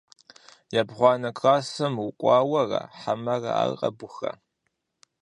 Ебгъуанэ классым укӏуауэра хьэмэрэ ар къэбуха?